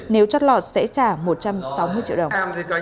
nếu chót lọt sẽ trả một trăm sáu mươi triệu đồng